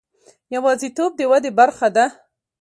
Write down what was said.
یوازیتوب د ودې برخه ده.